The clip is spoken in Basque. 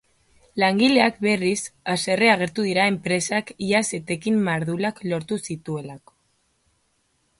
Langileak, berriz, haserre agertu dira enpresak iaz etekin mardulak lortu zituelako.